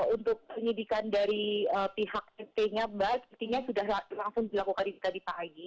untuk penyidikan dari pihak tnya mbak tnya sudah langsung dilakukan di pagi